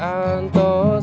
aisha pengertaiygenat tiga g